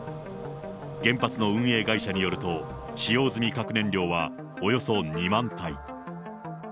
原発の運営会社によると、使用済み核燃料はおよそ２万体。